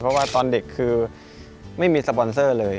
เพราะว่าตอนเด็กคือไม่มีสปอนเซอร์เลย